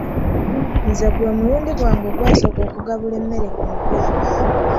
Nze gwe mulundi gwange ogwasooka okugabula emmere ku mukolo.